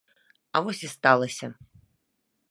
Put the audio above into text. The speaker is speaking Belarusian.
А вось і сталася.